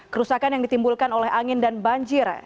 kerusakan yang ditimbulkan oleh angin dan banjir